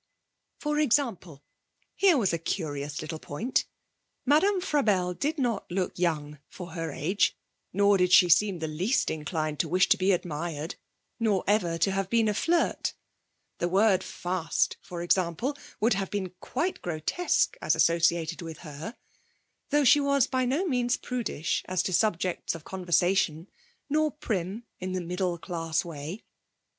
For example, here was a curious little point. Madame Frabelle did not look young for her age, nor did she seem in the least inclined to wish to be admired, nor ever to have been a flirt. The word 'fast', for example, would have been quite grotesque as associated with her, though she was by no means prudish as to subjects of conversation, nor prim in the middle class way.